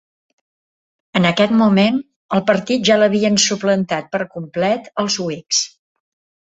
En aquest moment, el partit ja l'havien suplantat per complet els Whigs.